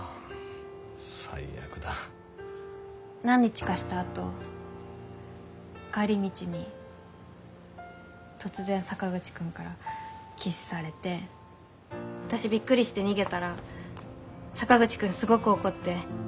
何日かしたあと帰り道に突然坂口くんからキスされて私びっくりして逃げたら坂口くんすごく怒って。